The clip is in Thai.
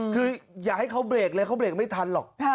คืออย่าให้เขาเบรกเลยเขาเบรกไม่ทันหรอก